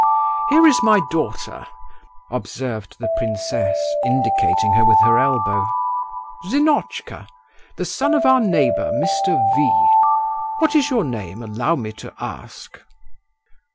"Here is my daughter," observed the princess, indicating her with her elbow. "Zinotchka, the son of our neighbour, Mr. V. What is your name, allow me to ask?"